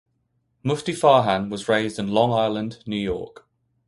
Mufti Farhan was raised in Long Island, New York.